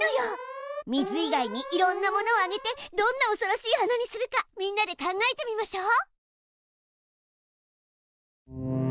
水以外にいろんなものをあげてどんなおそろしい花にするかみんなで考えてみましょう！